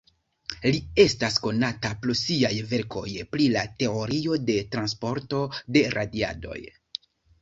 Li estas konata pro siaj verkoj pri la teorio de transporto de radiadoj.